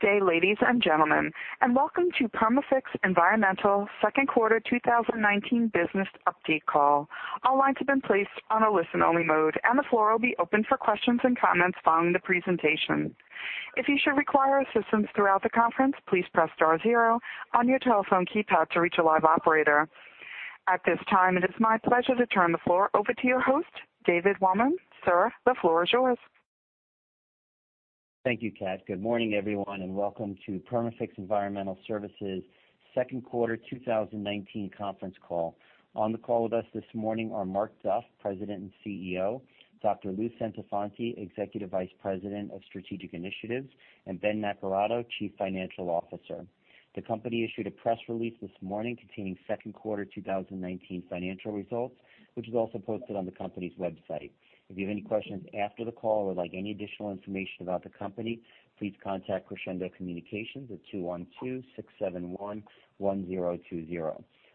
Good day, ladies and gentlemen, and welcome to Perma-Fix Environmental second quarter 2019 business update call. All lines have been placed on a listen-only mode, and the floor will be open for questions and comments following the presentation. If you should require assistance throughout the conference, please press star zero on your telephone keypad to reach a live operator. At this time, it is my pleasure to turn the floor over to your host, David Waldman. Sir, the floor is yours. Thank you, Kat. Good morning, everyone, and welcome to Perma-Fix Environmental Services second quarter 2019 conference call. On the call with us this morning are Mark Duff, President and CEO, Dr. Lou Centofanti, Executive Vice President of Strategic Initiatives, and Ben Naccarato, Chief Financial Officer. The company issued a press release this morning containing second quarter 2019 financial results, which is also posted on the company's website. If you have any questions after the call or would like any additional information about the company, please contact Crescendo Communications at 212-671-1020.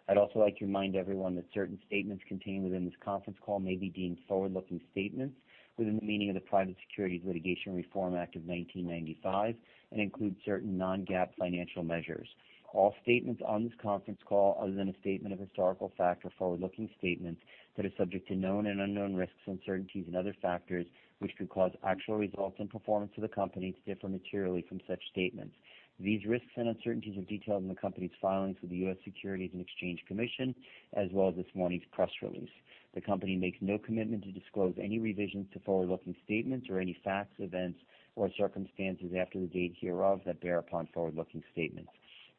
I'd also like to remind everyone that certain statements contained within this conference call may be deemed forward-looking statements within the meaning of the Private Securities Litigation Reform Act of 1995 and include certain non-GAAP financial measures. All statements on this conference call, other than a statement of historical fact or forward-looking statements that are subject to known and unknown risks, uncertainties and other factors which could cause actual results and performance of the company to differ materially from such statements. These risks and uncertainties are detailed in the company's filings with the U.S. Securities and Exchange Commission, as well as this morning's press release. The company makes no commitment to disclose any revisions to forward-looking statements or any facts, events, or circumstances after the date hereof that bear upon forward-looking statements.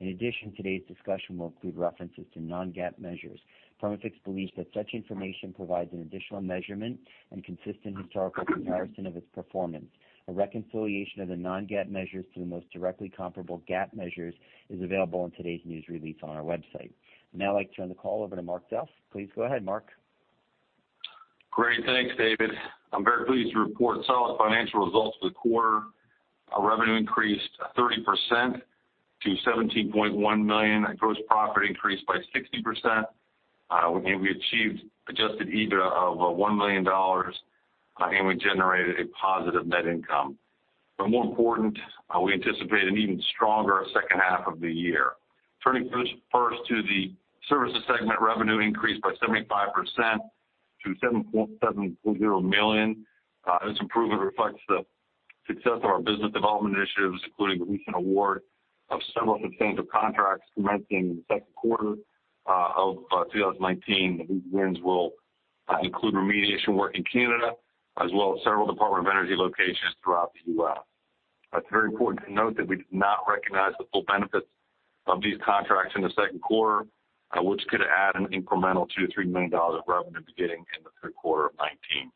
In addition, today's discussion will include references to non-GAAP measures. Perma-Fix believes that such information provides an additional measurement and consistent historical comparison of its performance. A reconciliation of the non-GAAP measures to the most directly comparable GAAP measures is available in today's news release on our website. Now I'd like to turn the call over to Mark Duff. Please go ahead, Mark. Great. Thanks, David. I'm very pleased to report solid financial results for the quarter. Our revenue increased 30% to $17.1 million. Our gross profit increased by 60%. We achieved adjusted EBITDA of $1 million, and we generated a positive net income. More important, we anticipate an even stronger second half of the year. Turning first to the services segment, revenue increased by 75% to $7.0 million. This improvement reflects the success of our business development initiatives, including the recent award of several substantive contracts commencing in the second quarter of 2019. These wins will include remediation work in Canada, as well as several Department of Energy locations throughout the U.S. It's very important to note that we did not recognize the full benefits of these contracts in the second quarter, which could add an incremental $2 million-$3 million of revenue beginning in the third quarter of 2019.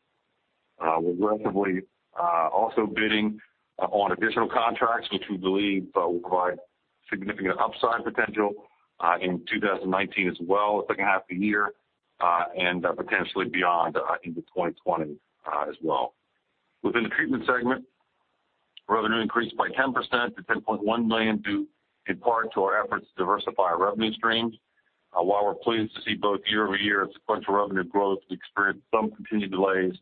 We're presently also bidding on additional contracts, which we believe will provide significant upside potential, in 2019 as well, the second half of the year, and potentially beyond into 2020 as well. Within the treatment segment, revenue increased by 10% to $10.1 million due in part to our efforts to diversify our revenue streams. While we're pleased to see both year-over-year sequential revenue growth, we experienced some continued delays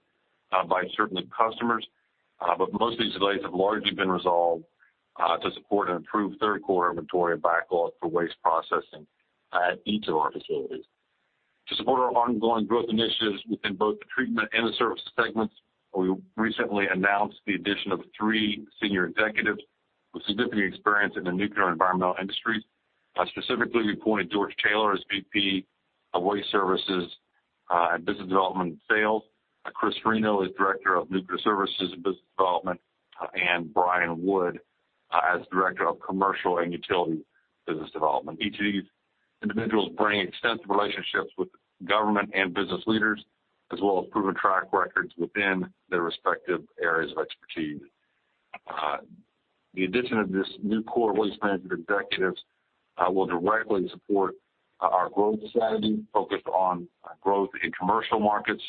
by certain customers, but most of these delays have largely been resolved, to support an improved third quarter inventory and backlog for waste processing at each of our facilities. To support our ongoing growth initiatives within both the treatment and the service segments, we recently announced the addition of three senior executives with significant experience in the nuclear and environmental industries. Specifically, we appointed George Taylor as VP of Waste Services and Business Development and Sales, Chris Reno as Director of Nuclear Services and Business Development, and Brian Wood as Director of Commercial and Utility Business Development. Each of these individuals bring extensive relationships with government and business leaders, as well as proven track records within their respective areas of expertise. The addition of this new core waste management executives will directly support our growth strategy focused on growth in commercial markets,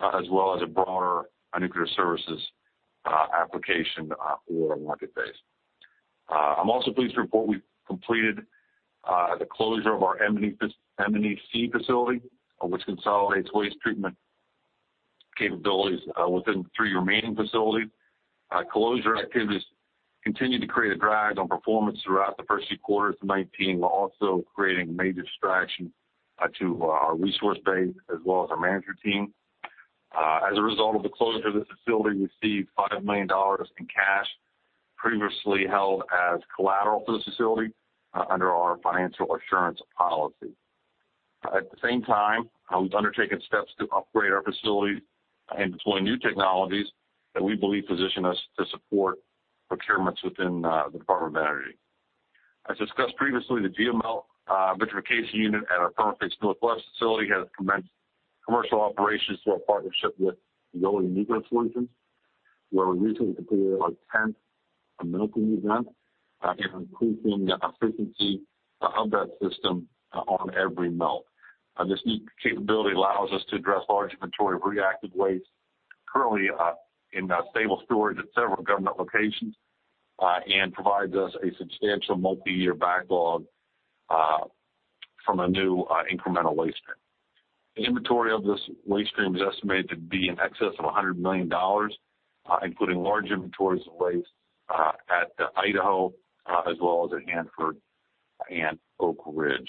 as well as a broader nuclear services application for our market base. I'm also pleased to report we've completed the closure of our M&EC facility, which consolidates waste treatment capabilities within the three remaining facilities. Closure activities continued to create a drag on performance throughout the first few quarters of 2019, while also creating major distraction to our resource base as well as our management team. As a result of the closure of the facility, we received $5 million in cash previously held as collateral for the facility under our financial assurance policy. At the same time, we've undertaken steps to upgrade our facilities and deploy new technologies that we believe position us to support procurements within the Department of Energy. As discussed previously, the VML vitrification unit at our Perma-Fix Northwest facility has commenced commercial operations through our partnership with Veolia Nuclear Solutions, where we recently completed our 10th milking event and are increasing the frequency of that system on every melt. This new capability allows us to address large inventory of reactive waste currently in stable storage at several government locations, and provides us a substantial multiyear backlog, from a new, incremental waste stream. The inventory of this waste stream is estimated to be in excess of $100 million, including large inventories of waste at Idaho, as well as at Hanford and Oak Ridge.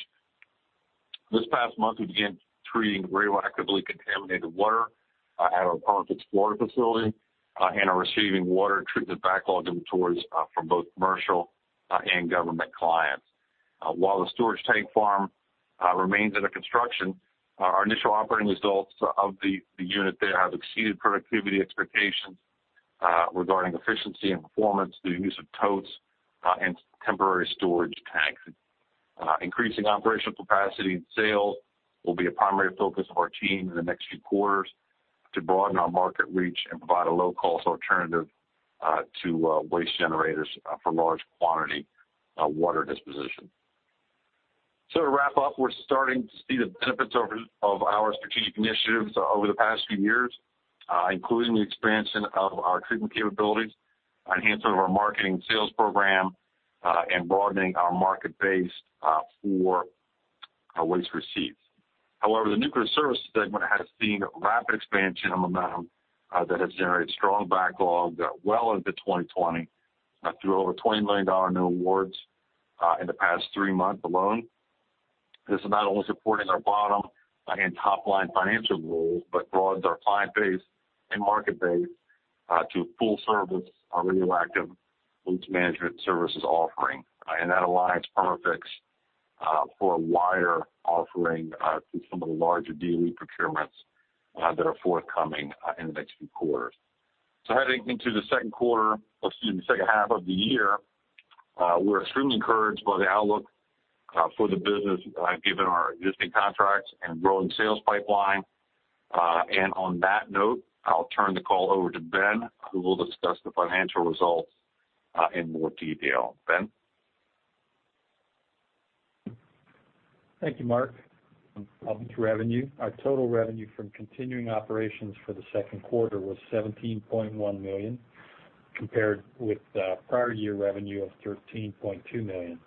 This past month, we began treating radioactively contaminated water at our Perma-Fix Florida facility and are receiving water treatment backlog inventories from both commercial and government clients. While the storage tank farm remains under construction, our initial operating results of the unit there have exceeded productivity expectations regarding efficiency and performance through use of totes and temporary storage tanks. Increasing operational capacity and sales will be a primary focus of our team in the next few quarters to broaden our market reach and provide a low-cost alternative to waste generators for large quantity water disposition. To wrap up, we're starting to see the benefits of our strategic initiatives over the past few years, including the expansion of our treatment capabilities, enhancement of our marketing sales program, and broadening our market base for our waste receipts. However, the nuclear services segment has seen rapid expansion on the amount that has generated strong backlog well into 2020 through over $20 million new awards in the past three months alone. This is not only supporting our bottom-line and top-line financial goals, but broadens our client base and market base to full service, our radioactive waste management services offering. That aligns Perma-Fix for a wider offering to some of the larger DOE procurements that are forthcoming in the next few quarters. Heading into the second quarter, or excuse me, the second half of the year, we're extremely encouraged by the outlook for the business given our existing contracts and growing sales pipeline. On that note, I'll turn the call over to Ben Naccarato, who will discuss the financial results in more detail. Ben? Thank you, Mark. I'll move to revenue. Our total revenue from continuing operations for the second quarter was $17.1 million, compared with prior year revenue of $13.2 million.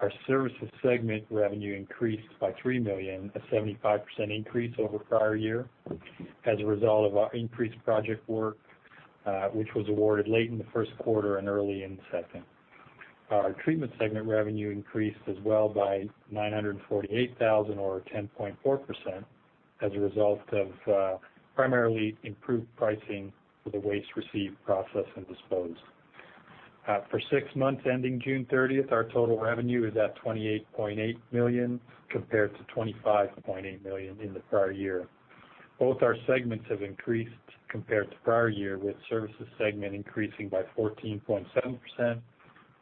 Our services segment revenue increased by $3 million, a 75% increase over prior year as a result of our increased project work, which was awarded late in the first quarter and early in the second. Our treatment segment revenue increased as well by $948,000 or 10.4% as a result of primarily improved pricing for the waste received, processed, and disposed. For six months ending June 30th, our total revenue is at $28.8 million, compared to $25.8 million in the prior year. Both our segments have increased compared to prior year, with services segment increasing by 14.7%,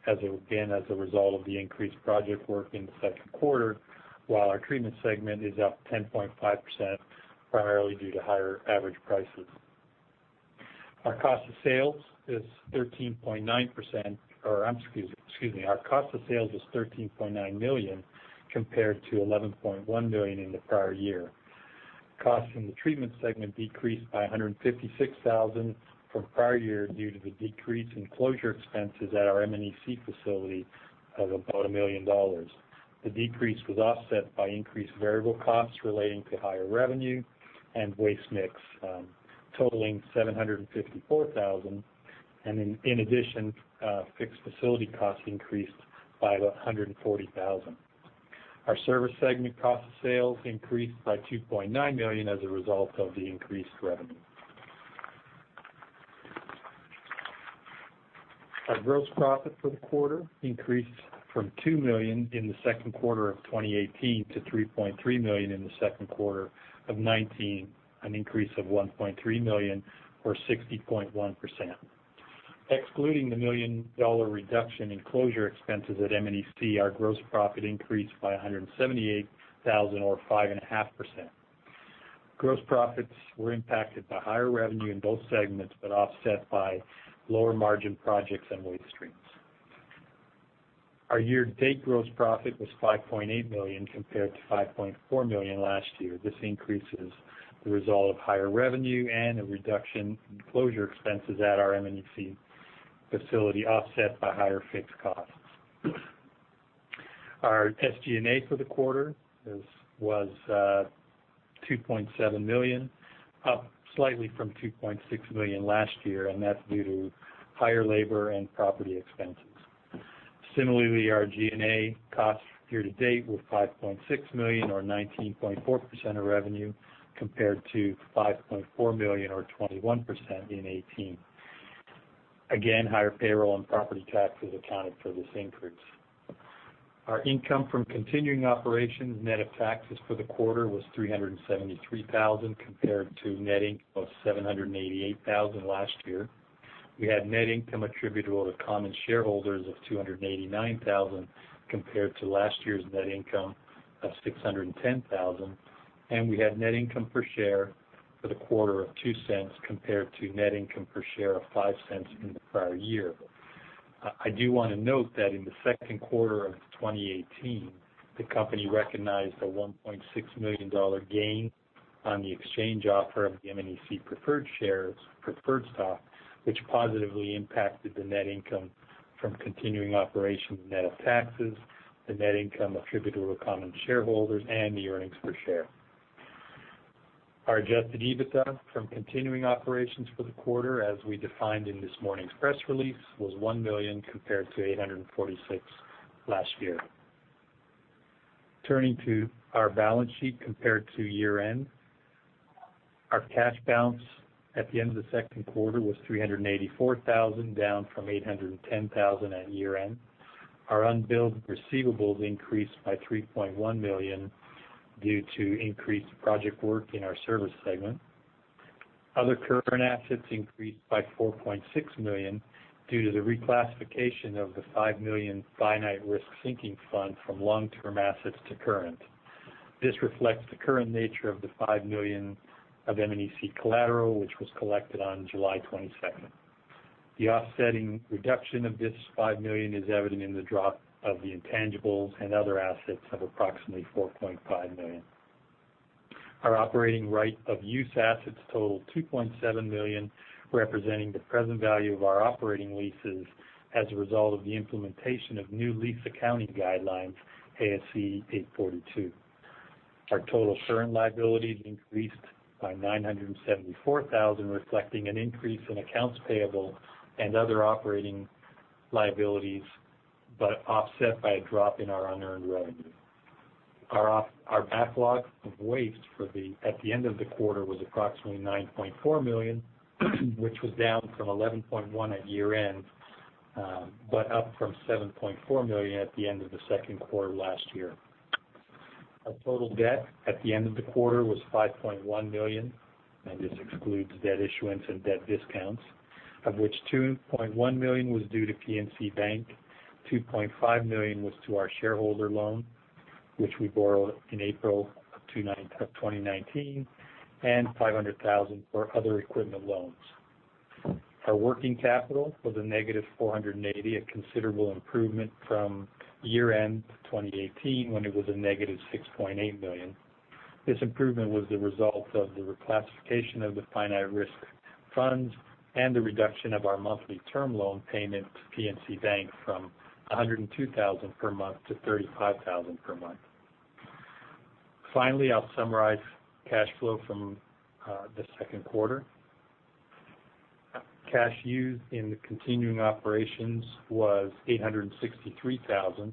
again, as a result of the increased project work in the second quarter, while our treatment segment is up 10.5%, primarily due to higher average prices. Our cost of sales is 13.9%, or excuse me, our cost of sales was $13.9 million compared to $11.1 million in the prior year. Cost in the treatment segment decreased by $156,000 from prior year due to the decrease in closure expenses at our M&EC facility of about $1 million. The decrease was offset by increased variable costs relating to higher revenue and waste mix, totaling $754,000. In addition, fixed facility costs increased by $140,000. Our service segment cost of sales increased by $2.9 million as a result of the increased revenue. Our gross profit for the quarter increased from $2 million in the second quarter of 2018 to $3.3 million in the second quarter of 2019, an increase of $1.3 million or 60.1%. Excluding the million-dollar reduction in closure expenses at M&EC, our gross profit increased by $178,000 or 5.5%. Gross profits were impacted by higher revenue in both segments, but offset by lower margin projects and waste streams. Our year-to-date gross profit was $5.8 million compared to $5.4 million last year. This increase is the result of higher revenue and a reduction in closure expenses at our M&EC facility, offset by higher fixed costs. Our SG&A for the quarter was $2.7 million, up slightly from $2.6 million last year, and that's due to higher labor and property expenses. Similarly, our G&A costs year to date were $5.6 million or 19.4% of revenue, compared to $5.4 million or 21% in 2018. Again, higher payroll and property taxes accounted for this increase. Our income from continuing operations net of taxes for the quarter was $373,000, compared to net income of $788,000 last year. We had net income attributable to common shareholders of $289,000, compared to last year's net income of $610,000, and we had net income per share for the quarter of $0.02, compared to net income per share of $0.05 in the prior year. I do want to note that in the second quarter of 2018, the company recognized a $1.6 million gain on the exchange offer of the M&EC preferred shares, preferred stock, which positively impacted the net income from continuing operations net of taxes, the net income attributable to common shareholders, and the earnings per share. Our adjusted EBITDA from continuing operations for the quarter, as we defined in this morning's press release, was $1 million compared to $846 last year. Turning to our balance sheet compared to year-end, our cash balance at the end of the second quarter was $384,000, down from $810,000 at year-end. Our unbilled receivables increased by $3.1 million due to increased project work in our service segment. Other current assets increased by $4.6 million due to the reclassification of the $5 million finite-risk sinking fund from long-term assets to current. This reflects the current nature of the $5 million of M&EC collateral, which was collected on July 22nd. The offsetting reduction of this $5 million is evident in the drop of the intangibles and other assets of approximately $4.5 million. Our operating right-of-use assets total $2.7 million, representing the present value of our operating leases as a result of the implementation of new lease accounting guidelines, ASC 842. Our total current liabilities increased by $974,000, reflecting an increase in accounts payable and other operating liabilities, but offset by a drop in our unearned revenue. Our backlog of waste at the end of the quarter was approximately $9.4 million, which was down from $11.1 million at year-end, but up from $7.4 million at the end of the second quarter last year. Our total debt at the end of the quarter was $5.1 million, and this excludes debt issuance and debt discounts, of which $2.1 million was due to PNC Bank, $2.5 million was to our shareholder loan, which we borrowed in April of 2019, and $500,000 for other equipment loans. Our working capital was a negative $480, a considerable improvement from year-end 2018, when it was a negative $6.8 million. This improvement was the result of the reclassification of the finite-risk fund and the reduction of our monthly term loan payment to PNC Bank from $102,000 per month to $35,000 per month. Finally, I'll summarize cash flow from the second quarter. Cash used in the continuing operations was $863,000.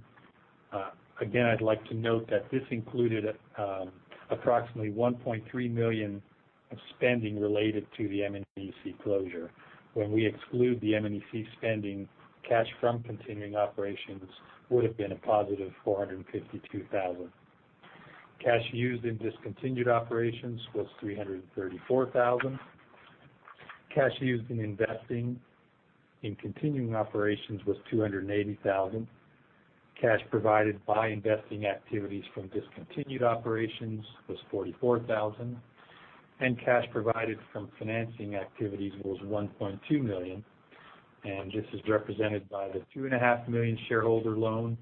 Again, I'd like to note that this included approximately $1.3 million of spending related to the M&EC closure. When we exclude the M&EC spending, cash from continuing operations would've been a positive $452,000. Cash used in discontinued operations was $334,000. Cash used in investing in continuing operations was $280,000. Cash provided by investing activities from discontinued operations was $44,000. Cash provided from financing activities was $1.2 million, and this is represented by the two and a half million shareholder loan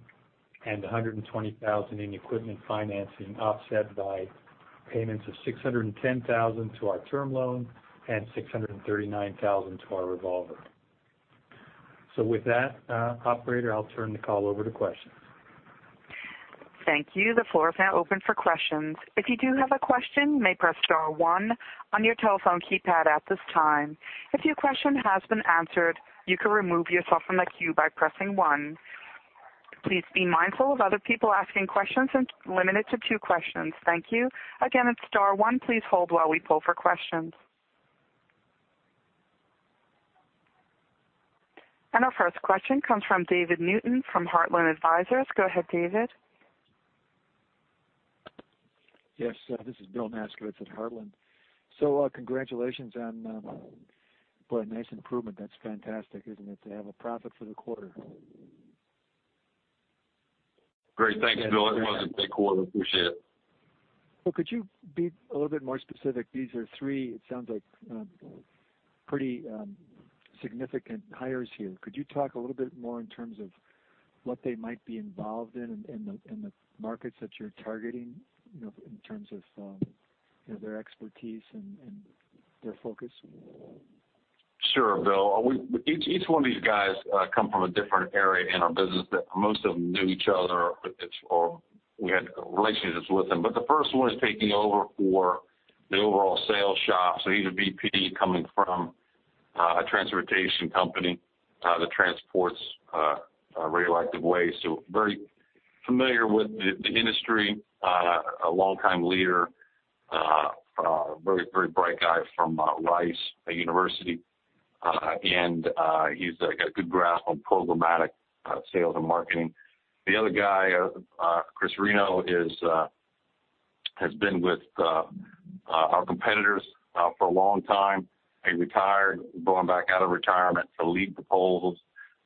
and the $120,000 in equipment financing, offset by payments of $610,000 to our term loan and $639,000 to our revolver. With that, operator, I'll turn the call over to questions. Thank you. The floor is now open for questions. If you do have a question, you may press star one on your telephone keypad at this time. If your question has been answered, you can remove yourself from the queue by pressing one. Please be mindful of other people asking questions and limit it to two questions. Thank you. Again, it's star one. Please hold while we pull for questions. Our first question comes from David Newton from Heartland Advisors. Go ahead, David. Yes, this is Bill Nasgovitz at Heartland. Congratulations on a nice improvement. That's fantastic, isn't it, to have a profit for the quarter? Great. Thanks, Bill. It was a big quarter. Appreciate it. Well, could you be a little bit more specific? These are three, it sounds like, pretty significant hires here. Could you talk a little bit more in terms of what they might be involved in in the markets that you're targeting, in terms of their expertise and their focus? Sure, Bill. Each one of these guys come from a different area in our business, but most of them knew each other, or we had relationships with them. The first one is taking over for the overall sales shop, so he's a VP coming from a transportation company that transports radioactive waste, so very familiar with the industry, a longtime leader, a very bright guy from Rice University. He's got a good grasp on programmatic sales and marketing. The other guy, Chris Reno, has been with our competitors for a long time, and retired, going back out of retirement to lead proposals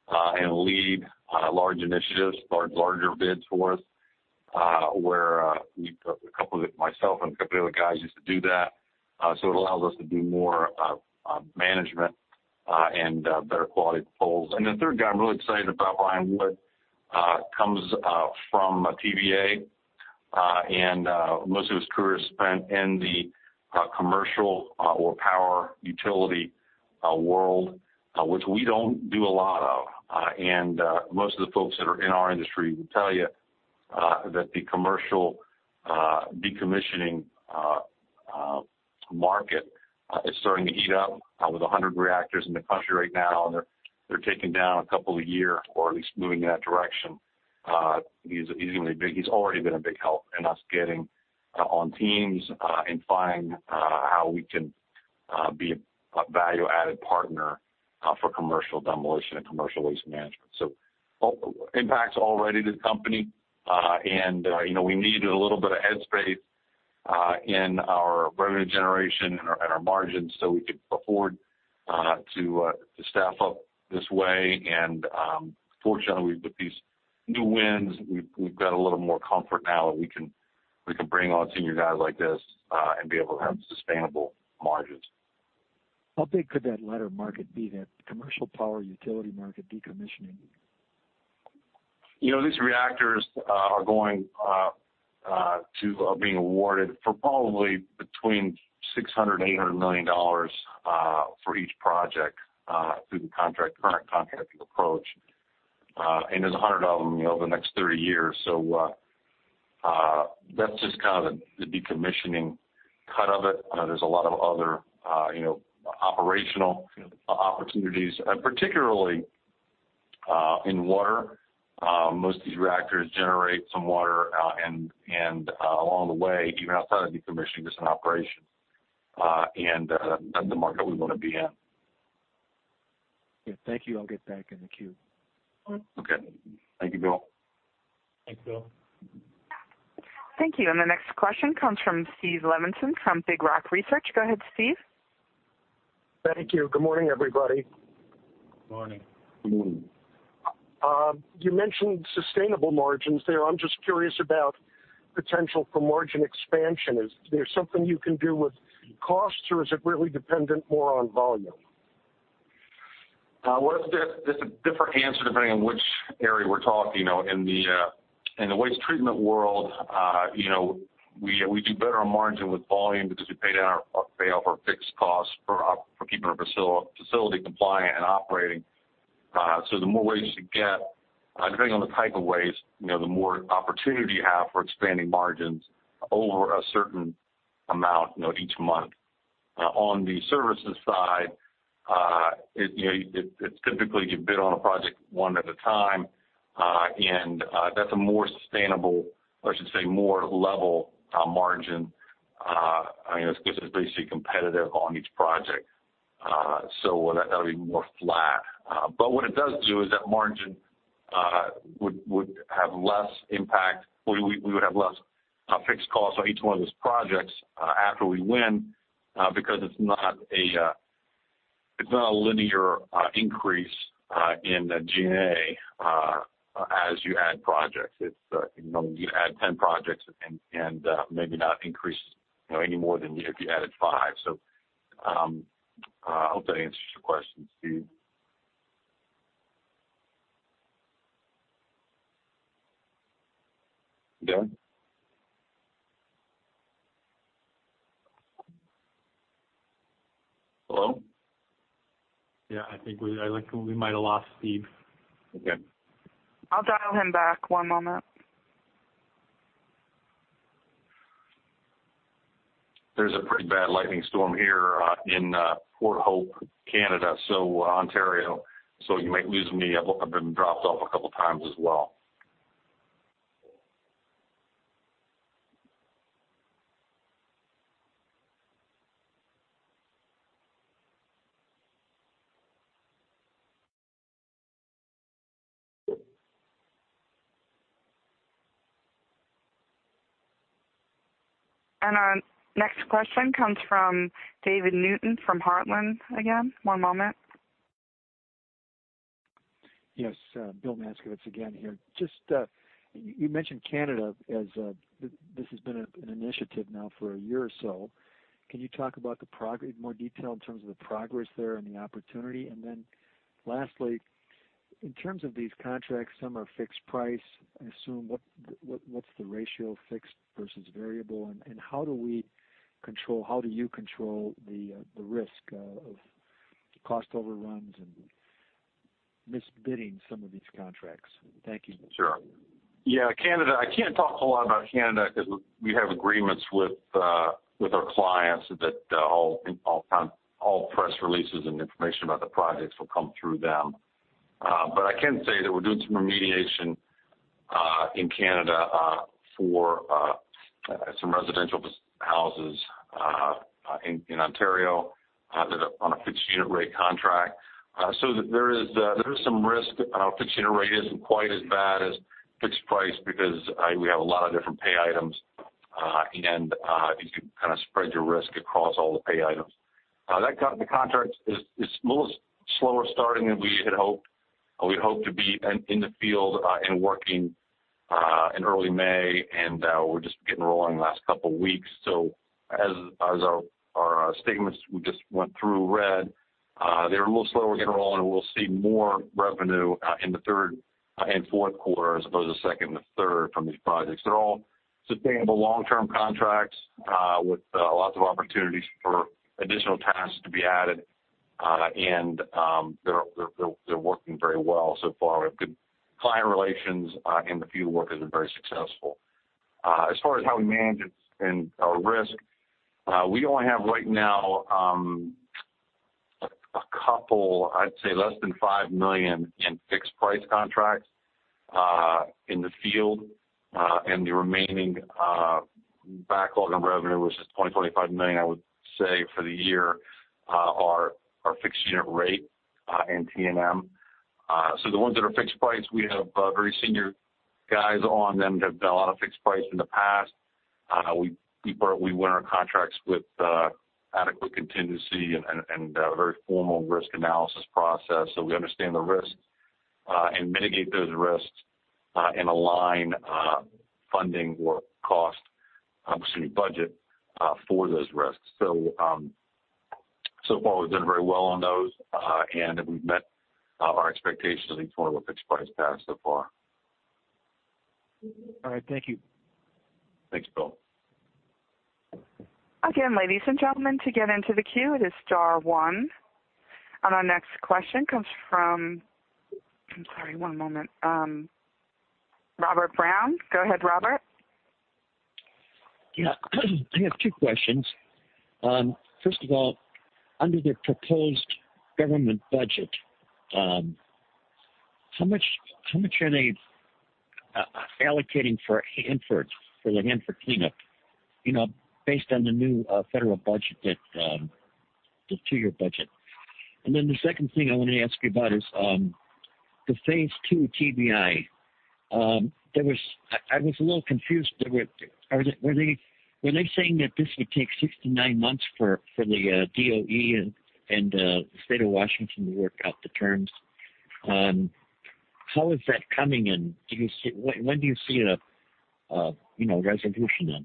and lead large initiatives, larger bids for us, where myself and a couple of the other guys used to do that. It allows us to do more management and better quality pulls. The third guy I'm really excited about, Brian Wood, comes from TVA, and most of his career spent in the commercial or power utility world, which we don't do a lot of. Most of the folks that are in our industry will tell you that the commercial decommissioning market is starting to heat up with 100 reactors in the country right now, and they're taking down a couple a year or at least moving in that direction. He's already been a big help in us getting on teams and finding how we can be a value-added partner for commercial demolition and commercial waste management. Impacts already to the company. We needed a little bit of head space in our revenue generation and our margins so we could afford to staff up this way. Fortunately, with these new wins, we've got a little more comfort now that we can bring on senior guys like this, and be able to have sustainable margins. How big could that latter market be, that commercial power utility market decommissioning? These reactors are going to being awarded for probably between $600 million and $800 million for each project, through the current contract we approach. There's 100 of them, over the next 30 years. That's just the decommissioning cut of it. There's a lot of other operational opportunities, particularly in water. Most of these reactors generate some water, and along the way, even outside of decommissioning, just in operation, and that's the market we want to be in. Yeah. Thank you. I'll get back in the queue. Okay. Thank you, Bill. Thanks, Bill. Thank you. The next question comes from Steve Levinson from Big Rock Research. Go ahead, Steve. Thank you. Good morning, everybody. Morning. Good morning. You mentioned sustainable margins there. I'm just curious about potential for margin expansion. Is there something you can do with costs or is it really dependent more on volume? Well, it's a different answer depending on which area we're talking. In the waste treatment world, we do better on margin with volume because we pay off our fixed costs for keeping our facility compliant and operating. The more waste you get, depending on the type of waste, the more opportunity you have for expanding margins over a certain amount, each month. On the services side, it's typically you bid on a project one at a time, and that's a more sustainable, or I should say more level margin, because it's basically competitive on each project. That'll be more flat. What it does do is that margin would have less impact. We would have less fixed costs on each one of those projects, after we win, because it's not a linear increase in G&A as you add projects. You add 10 projects and maybe not increase any more than if you added five. I hope that answers your question, Steve. Dan? Hello? Yeah, I think we might have lost Steve. Okay. I'll dial him back one moment. There's a pretty bad lightning storm here, in Port Hope, Canada, Ontario, so you might lose me. I've been dropped off a couple times as well. Our next question comes from David Newton from Heartland again. One moment. Yes. Bill Maskowitz again here. Just, you mentioned Canada as this has been an initiative now for a year or so. Can you talk about in more detail in terms of the progress there and the opportunity? Lastly, in terms of these contracts, some are fixed price, I assume. What's the ratio fixed versus variable, and how do you control the risk of cost overruns and misbidding some of these contracts? Thank you. Sure. Canada, I can't talk a whole lot about Canada because we have agreements with our clients that all press releases and information about the projects will come through them. I can say that we're doing some remediation in Canada for some residential houses in Ontario, on a fixed unit rate contract. There is some risk. Fixed unit rate isn't quite as bad as fixed price because we have a lot of different pay items, and you can kind of spread your risk across all the pay items. The contract is a little slower starting than we had hoped. We had hoped to be in the field and working in early May, and we're just getting rolling the last couple of weeks. As our statements we just went through read, they're a little slower getting rolling, and we'll see more revenue in the third and fourth quarter, as opposed to second and third, from these projects. They're all sustainable long-term contracts with lots of opportunities for additional tasks to be added, and they're working very well so far. We have good client relations, and the field workers are very successful. As far as how we manage it and our risk, we only have right now a couple, I'd say less than $5 million in fixed price contracts in the field. The remaining backlog on revenue, which is $20 million-$25 million, I would say, for the year, are fixed unit rate and T&M. The ones that are fixed price, we have very senior guys on them, have done a lot of fixed price in the past. We win our contracts with adequate contingency and a very formal risk analysis process, so we understand the risks and mitigate those risks and align funding or cost, obviously budget, for those risks. So far, we've done very well on those. We've met our expectations on each one of our fixed price tags so far. All right, thank you. Thanks, Bill. Again, ladies and gentlemen, to get into the queue, it is star one. Our next question comes from I'm sorry, one moment. Robert Brown. Go ahead, Robert. Yeah. I have two questions. First of all, under the proposed government budget, how much are they allocating for the Hanford cleanup? Based on the new federal budget, the two-year budget. The second thing I want to ask you about is the phase II TBI. I was a little confused. When they're saying that this would take six to nine months for the DOE and the State of Washington to work out the terms, how is that coming, and when do you see a resolution on that?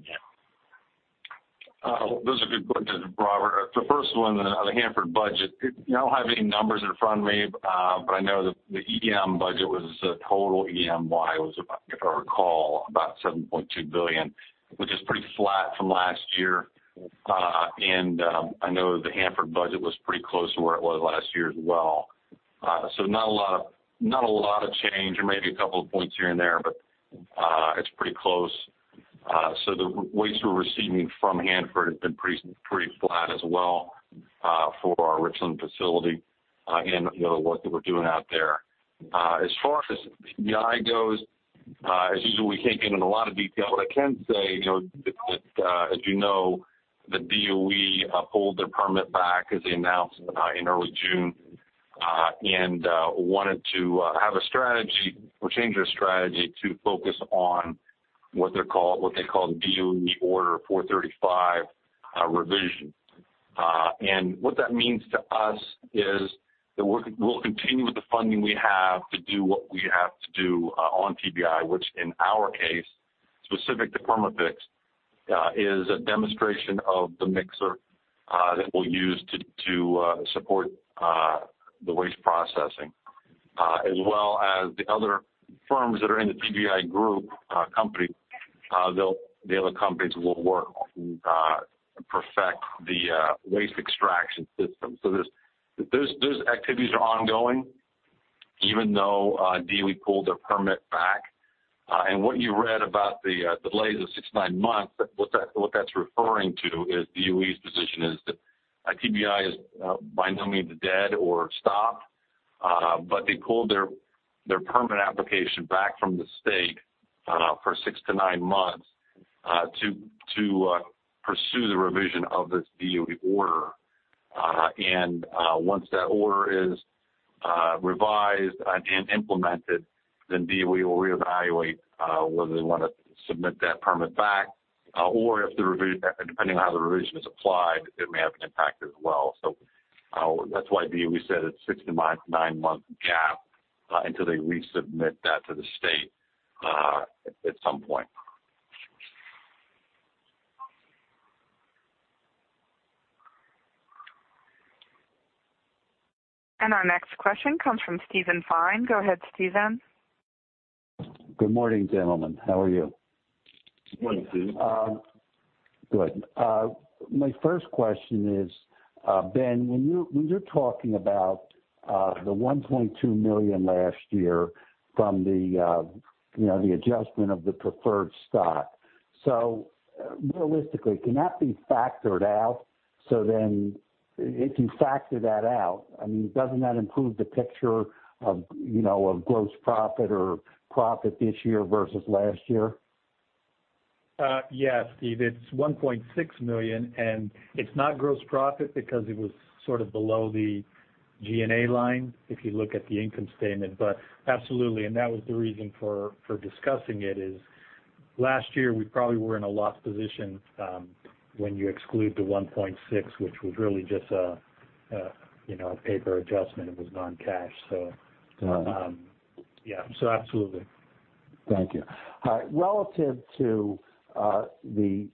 Those are good questions, Robert. The first one, on the Hanford budget, I don't have any numbers in front of me, but I know that the EM budget was, the total EM wide was, if I recall, about $7.2 billion, which is pretty flat from last year. I know the Hanford budget was pretty close to where it was last year as well. Not a lot of change or maybe a couple of points here and there, but it's pretty close. The waste we're receiving from Hanford has been pretty flat as well for our Richland facility and the work that we're doing out there. As far as TBI goes, as usual, we can't get into a lot of detail, but I can say that as you know, the DOE pulled their permit back, as they announced in early June, and wanted to have a strategy or change their strategy to focus on what they call DOE Order 435.1 revision. What that means to us is that we'll continue with the funding we have to do what we have to do on TBI, which in our case, specific to Perma-Fix, is a demonstration of the mixer that we'll use to support the waste processing, as well as the other firms that are in the TBI group company. The other companies will work to perfect the waste extraction system. Those activities are ongoing even though DOE pulled their permit back. What you read about the delays of 6 to 9 months, what that's referring to is DOE's position is that TBI is by no means dead or stopped. They pulled their permit application back from the state for 6 to 9 months to pursue the revision of this DOE Order. Once that order is revised and implemented, DOE will reevaluate whether they want to submit that permit back, or if depending on how the revision is applied, it may have an impact as well. That's why DOE said it's a 6 to 9-month gap until they resubmit that to the state at some point. Our next question comes from Steven Fine. Go ahead, Steven. Good morning, gentlemen. How are you? Good morning, Steve. Good. My first question is, Ben Naccarato, when you're talking about the $1.2 million last year from the adjustment of the preferred stock. Realistically, can that be factored out? If you factor that out, doesn't that improve the picture of gross profit or profit this year versus last year? Yeah, Steve, it's $1.6 million, and it's not gross profit because it was sort of below the G&A line, if you look at the income statement. Absolutely, that was the reason for discussing it. Last year, we probably were in a loss position, when you exclude the $1.6, which was really just a paper adjustment. It was non-cash. Yeah. Absolutely. Thank you. Relative to this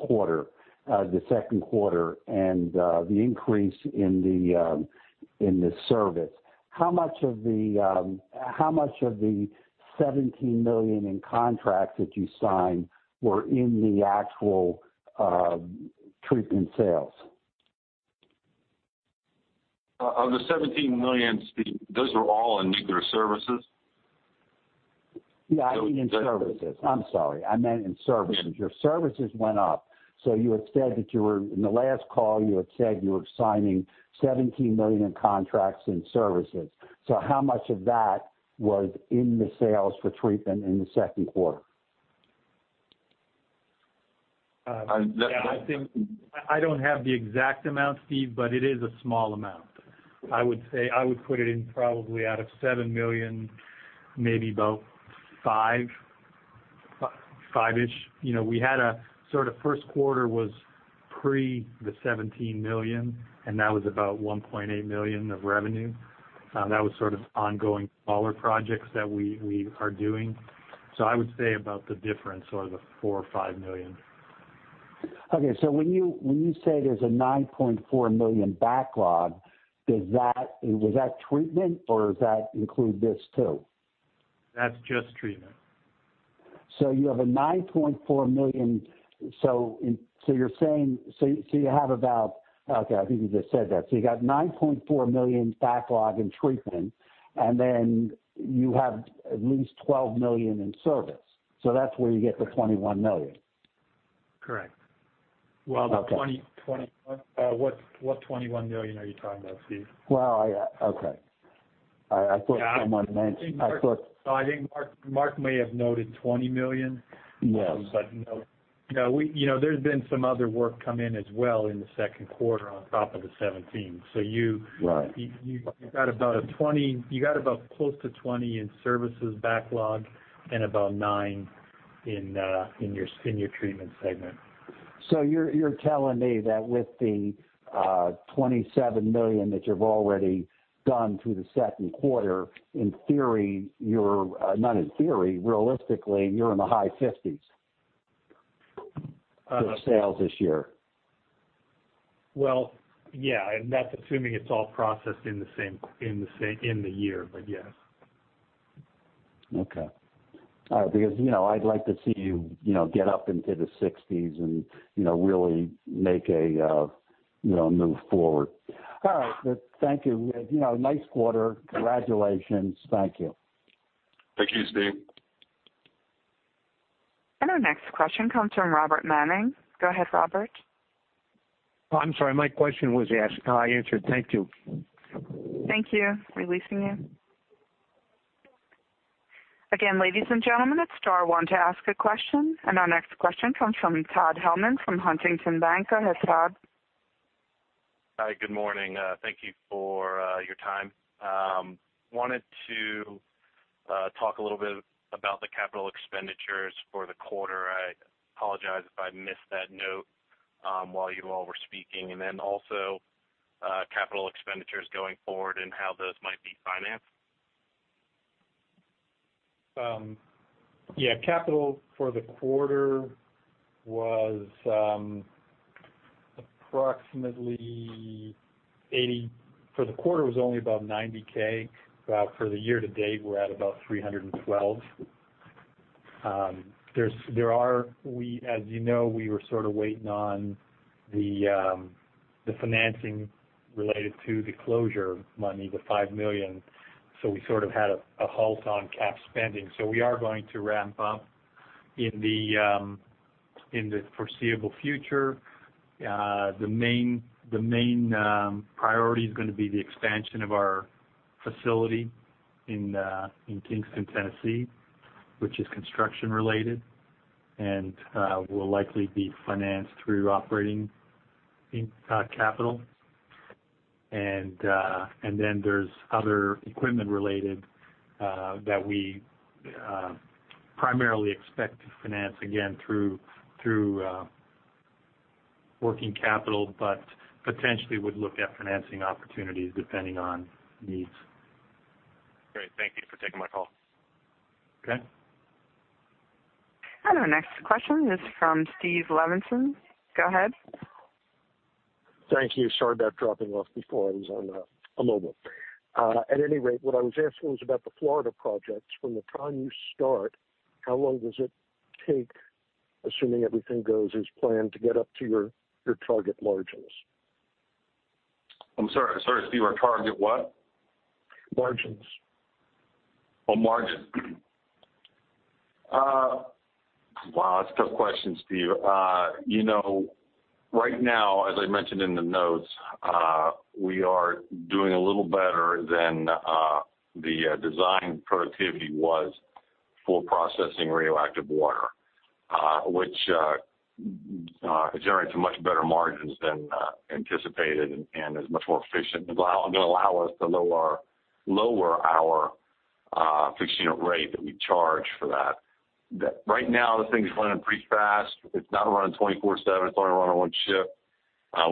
quarter, the second quarter, and the increase in the service, how much of the $17 million in contracts that you signed were in the actual treatment sales? Of the $17 million, Steve, those were all in nuclear services? Yeah, I mean in services. I'm sorry, I meant in services. Your services went up. In the last call, you had said you were signing $17 million in contracts in services. How much of that was in the sales for treatment in the second quarter? I- Yeah, I don't have the exact amount, Steve, it is a small amount. I would put it in probably out of $7 million, maybe about $5-ish. We had our first quarter was pre the $17 million, that was about $1.8 million of revenue. That was sort of ongoing smaller projects that we are doing. I would say about the difference or the $4 or $5 million. Okay. When you say there's a $9.4 million backlog, was that treatment or does that include this too? That's just treatment. You have a $9.4 million Okay, I think you just said that. You got $9.4 million backlog in treatment, and then you have at least $12 million in service. That's where you get the $21 million. Correct. Okay what $21 million are you talking about, Steve? Well, okay. No, I think Mark may have noted $20 million. Yes. There's been some other work come in as well in the second quarter on top of the 17. Right you got about close to $20 in services backlog and about $9 in your treatment segment. You're telling me that with the $27 million that you've already done through the second quarter, in theory, you're, not in theory, realistically, you're in the high $50s for sales this year? Well, yeah, that's assuming it's all processed in the year, but yes. Okay. All right, because, I'd like to see you get up into the 60s and really make a move forward. All right. Thank you. Nice quarter. Congratulations. Thank you. Thank you, Steve. Our next question comes from Robert Manning. Go ahead, Robert. Oh, I'm sorry. My question was asked, answered. Thank you. Thank you. Releasing you. Ladies and gentlemen, it's star one to ask a question, and our next question comes from Todd Hellman from Huntington Bank. Go ahead, Todd. Hi, good morning. Thank you for your time. Wanted to talk a little bit about the capital expenditures for the quarter. I apologize if I missed that note, while you all were speaking. Also, capital expenditures going forward and how those might be financed. Yeah, capital for the quarter was approximately $80. For the quarter was only about $90K. For the year to date, we're at about $312. As you know, we were sort of waiting on the financing related to the closure money, the $5 million. We sort of had a halt on cap spending. We are going to ramp up in the foreseeable future. The main priority is going to be the expansion of our facility in Kingston, Tennessee, which is construction related and will likely be financed through operating capital. There's other equipment related that we primarily expect to finance again through working capital, but potentially would look at financing opportunities depending on needs. Great. Thank you for taking my call. Okay. Our next question is from Steve Levinson. Go ahead. Thank you. Sorry about dropping off before. I was on a mobile. At any rate, what I was asking was about the Florida projects. From the time you start, how long does it take, assuming everything goes as planned, to get up to your target margins? I'm sorry, Steve, our target what? Margins. Oh, margin. Wow, that's a tough question, Steve. Right now, as I mentioned in the notes, we are doing a little better than the design productivity was for processing radioactive water. Which generates much better margins than anticipated and is much more efficient and going to allow us to lower our fixed unit rate that we charge for that. Right now, the thing is running pretty fast. It's not running 24/7. It's only running on one shift.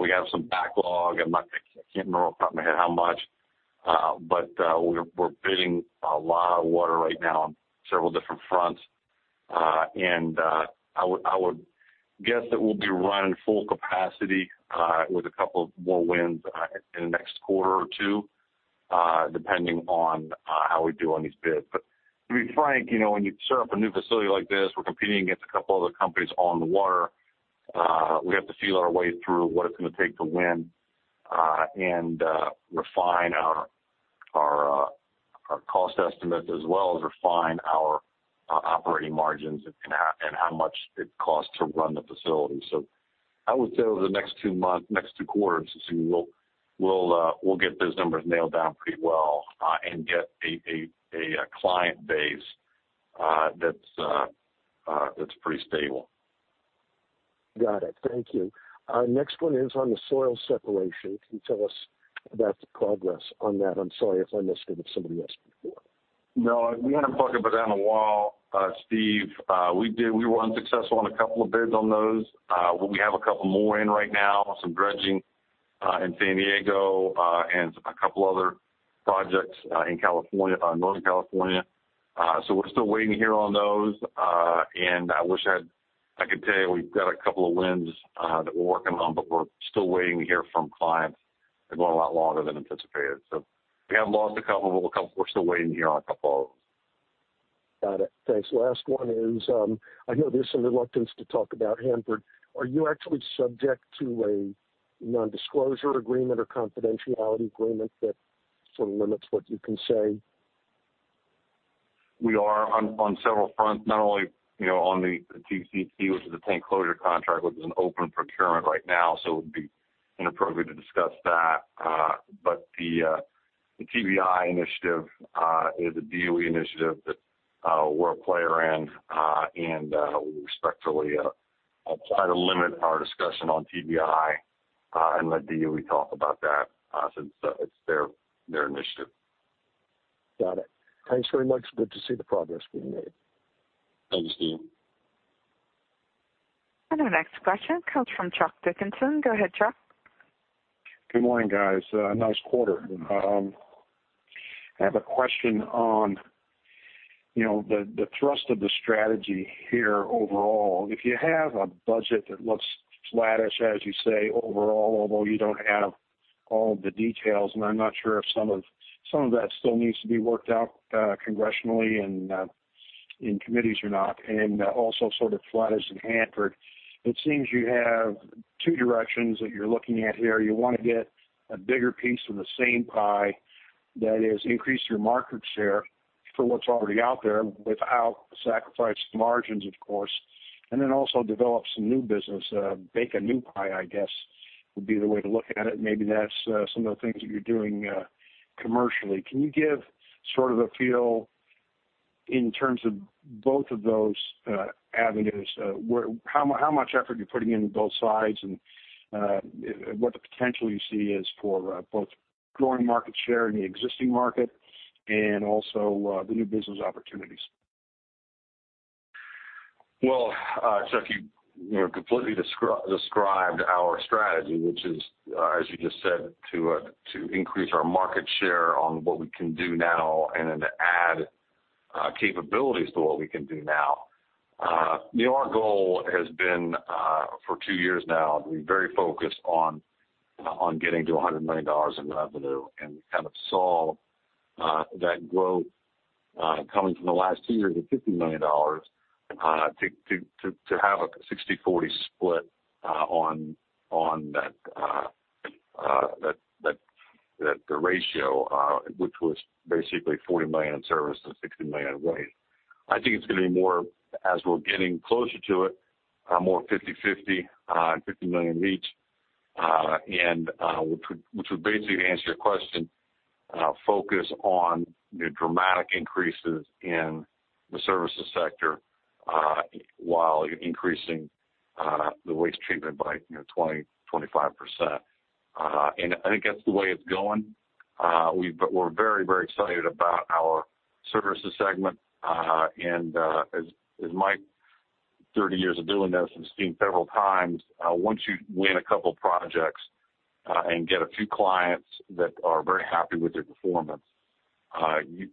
We have some backlog. I can't remember off the top of my head how much. We're bidding a lot of water right now on several different fronts. I would guess that we'll be running full capacity with a couple of more wins in the next quarter or two, depending on how we do on these bids. To be frank, when you start up a new facility like this, we're competing against a couple other companies on the water. We have to feel our way through what it's going to take to win and refine our cost estimates as well as refine our operating margins and how much it costs to run the facility. I would say over the next two quarters, we'll get those numbers nailed down pretty well, and get a client base that's pretty stable. Got it. Thank you. Next one is on the soil separation. Can you tell us about the progress on that? I'm sorry if I missed it, if somebody asked before. No, we haven't talked about that in a while, Steve. We were unsuccessful on a couple of bids on those. We have a couple more in right now, some dredging in San Diego, and a couple other projects in Northern California. We're still waiting to hear on those. I wish I could tell you we've got a couple of wins that we're working on, but we're still waiting to hear from clients. They're going a lot longer than anticipated. We have lost a couple, but we're still waiting to hear on a couple of them. Got it. Thanks. Last one is, I know there's some reluctance to talk about Hanford. Are you actually subject to a non-disclosure agreement or confidentiality agreement that sort of limits what you can say? We are on several fronts, not only on the TCT, which is a tank closure contract, which is an open procurement right now, so it would be inappropriate to discuss that. The TBI initiative is a DOE initiative that we're a player in. We respectfully try to limit our discussion on TBI, and let DOE talk about that, since it's their initiative. Got it. Thanks very much. Good to see the progress being made. Thanks, Steve. Our next question comes from Chuck Dickinson. Go ahead, Chuck. Good morning, guys. Nice quarter. I have a question on the thrust of the strategy here overall. If you have a budget that looks flattish, as you say, overall, although you don't have all the details, and I'm not sure if some of that still needs to be worked out congressionally and in committees or not, and also sort of flattish in Hanford. It seems you have two directions that you're looking at here. You want to get a bigger piece of the same pie, that is, increase your market share for what's already out there without sacrificing margins, of course, and then also develop some new business, bake a new pie, I guess would be the way to look at it. Maybe that's some of the things that you're doing commercially. Can you give sort of a feel in terms of both of those avenues? How much effort are you putting into both sides and what the potential you see is for both growing market share in the existing market and also the new business opportunities? Well, Chuck, you completely described our strategy, which is, as you just said, to increase our market share on what we can do now and then to add capabilities to what we can do now. Our goal has been for two years now, we're very focused on getting to $100 million in revenue, and we kind of saw that growth coming from the last two years of $50 million to have a 60/40 split on the ratio, which was basically $40 million in service and $60 million in waste. I think it's going to be more as we're getting closer to it, more 50/50, $50 million each. Which would basically, to answer your question, focus on the dramatic increases in the services sector while increasing the waste treatment by 20%-25%. I think that's the way it's going. We're very excited about our services segment. As Mike, 30 years of doing this has seen several times, once you win a couple projects and get a few clients that are very happy with your performance,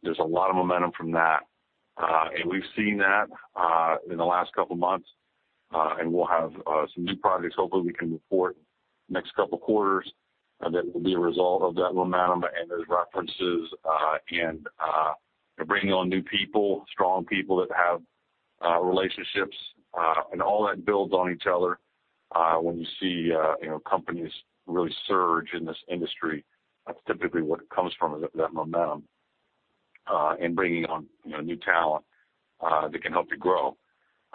there's a lot of momentum from that. We've seen that in the last couple of months. We'll have some new projects hopefully we can report next couple quarters that will be a result of that momentum and those references. Bringing on new people, strong people that have relationships, and all that builds on each other. When you see companies really surge in this industry, that's typically what it comes from, that momentum, and bringing on new talent that can help you grow.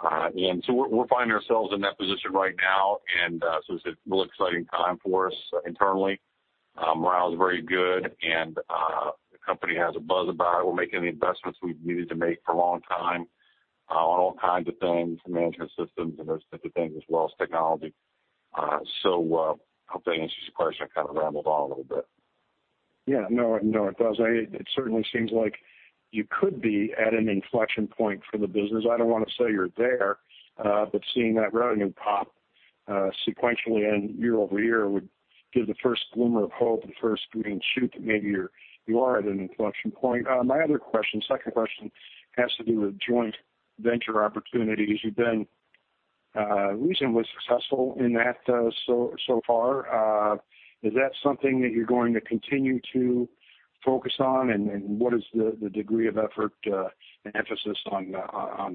We're finding ourselves in that position right now, and so it's a real exciting time for us internally. Morale is very good, and the company has a buzz about it. We're making the investments we've needed to make for a long time on all kinds of things, management systems and those types of things, as well as technology. I hope that answers your question. I kind of rambled on a little bit. Yeah. No, it does. It certainly seems like you could be at an inflection point for the business. I don't want to say you're there, but seeing that revenue pop sequentially and year-over-year would give the first glimmer of hope, the first green shoot, that maybe you are at an inflection point. My other question, second question, has to do with joint venture opportunities. You've been reasonably successful in that so far. Is that something that you're going to continue to focus on? What is the degree of effort and emphasis on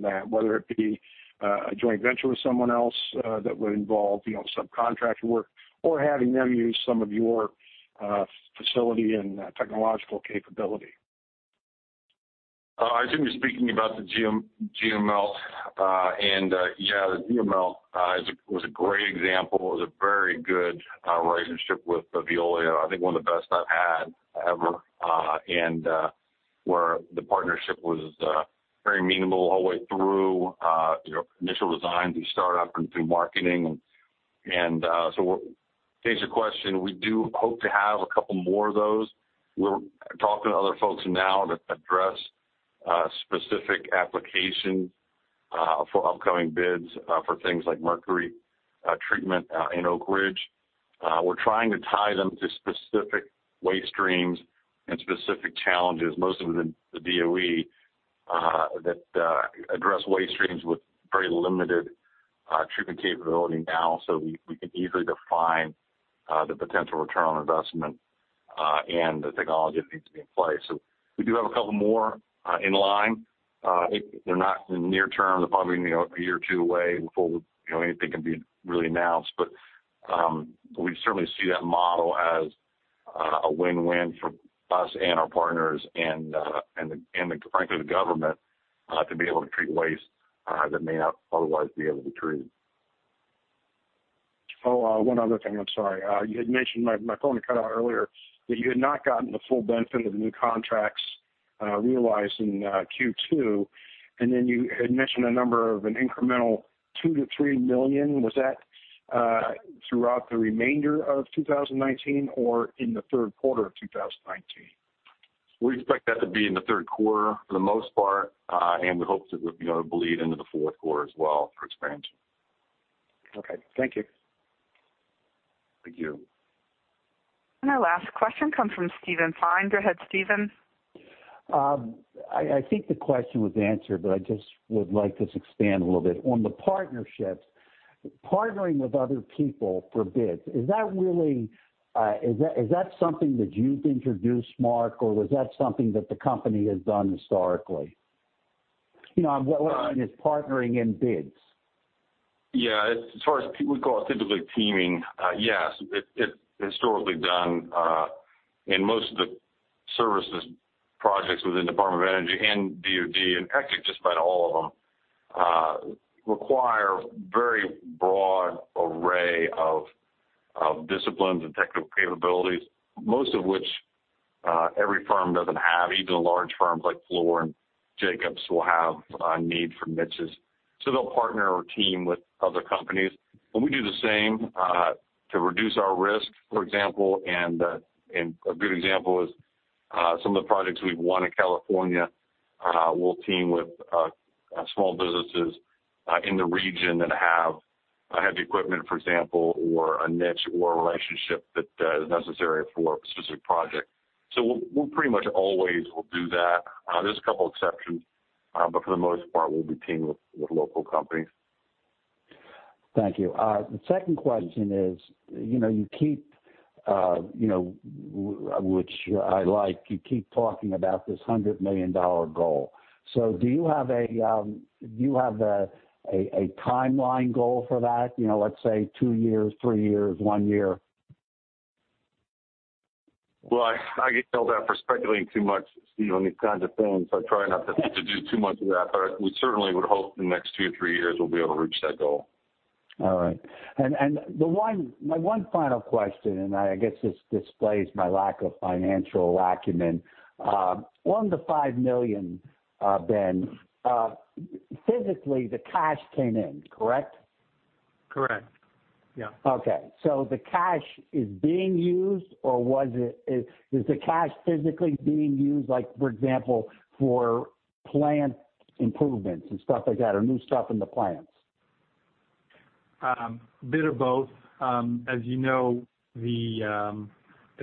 that, whether it be a joint venture with someone else that would involve subcontract work or having them use some of your facility and technological capability? I assume you're speaking about the GML. Yeah, the GML was a great example. It was a very good relationship with Veolia, I think one of the best I've had ever, and where the partnership was very meaningful all the way through initial designs and startup and through marketing. To answer your question, we do hope to have a couple more of those. We're talking to other folks now that address specific applications for upcoming bids for things like mercury treatment in Oak Ridge. We're trying to tie them to specific waste streams and specific challenges, most of them the DOE, that address waste streams with very limited treatment capability now, so we can easily define the potential return on investment and the technology that needs to be in place. We do have a couple more in line. They're not in the near term. They're probably a year or two away before anything can be really announced. We certainly see that model as a win-win for us and our partners and frankly, the government to be able to treat waste that may not otherwise be able to be treated. Oh, one other thing, I'm sorry. You had mentioned, my phone had cut out earlier, that you had not gotten the full benefit of the new contracts realized in Q2, and then you had mentioned a number of an incremental $2 million-$3 million. Was that throughout the remainder of 2019 or in the third quarter of 2019? We expect that to be in the third quarter for the most part. We hope that it would bleed into the fourth quarter as well for expansion. Okay. Thank you. Thank you. Our last question comes from Steven Fine. Go ahead, Steven. I think the question was answered, but I just would like to expand a little bit. On the partnerships, partnering with other people for bids, is that something that you've introduced, Mark, or was that something that the company has done historically? What I mean is partnering in bids. Yeah. We call it typically teaming. Yes, it's historically done in most of the services projects within Department of Energy and DOD, and actually just about all of them require very broad array of disciplines and technical capabilities, most of which every firm doesn't have. Even the large firms like Fluor and Jacobs will have a need for niches, they'll partner or team with other companies. We do the same to reduce our risk, for example. A good example is some of the projects we've won in California, we'll team with small businesses in the region that have the equipment, for example, or a niche or a relationship that is necessary for a specific project. We'll pretty much always will do that. There's a couple exceptions, but for the most part, we'll be teaming with local companies. Thank you. The second question is, which I like, you keep talking about this $100 million goal. Do you have a timeline goal for that? Let's say two years, three years, one year? Well, I get yelled at for speculating too much, Steven, on these kinds of things, so I try not to do too much of that. We certainly would hope in the next two or three years we'll be able to reach that goal. All right. My one final question, and I guess this displays my lack of financial acumen. $1 million-$5 million, Ben, physically the cash came in, correct? Correct. Yeah. Okay. The cash is being used or is the cash physically being used, like for example, for plant improvements and stuff like that, or new stuff in the plants? Bit of both. As you know, the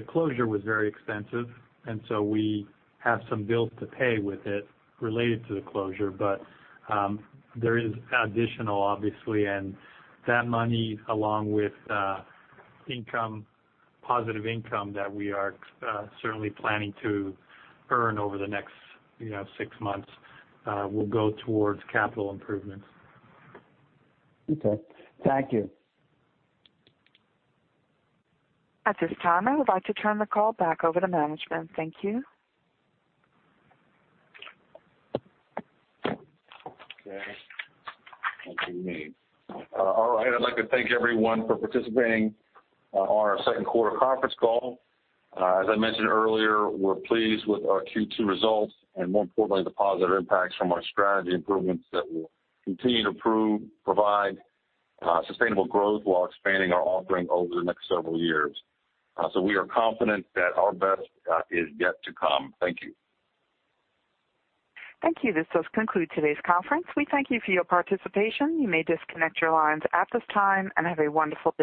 closure was very expensive, and so we have some bills to pay with it related to the closure. There is additional, obviously, and that money, along with positive income that we are certainly planning to earn over the next six months, will go towards capital improvements. Okay. Thank you. At this time, I would like to turn the call back over to management. Thank you. Okay. Thank you, Megan. All right. I'd like to thank everyone for participating on our second quarter conference call. As I mentioned earlier, we are pleased with our Q2 results and more importantly, the positive impacts from our strategy improvements that will continue to provide sustainable growth while expanding our offering over the next several years. We are confident that our best is yet to come. Thank you. Thank you. This does conclude today's conference. We thank you for your participation. You may disconnect your lines at this time, and have a wonderful day.